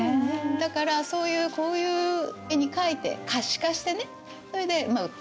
だからそういうこういう絵に描いて可視化してねそれで訴えたと。